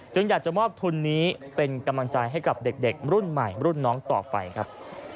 อยากจะมอบทุนนี้เป็นกำลังใจให้กับเด็กรุ่นใหม่รุ่นน้องต่อไปครับ